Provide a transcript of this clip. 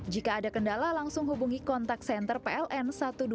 jika ada kendala langsung hubungi kontak senter pln satu ratus dua belas